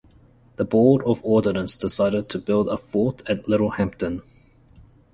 The Board of Ordnance decided to build a fort at Littlehampton.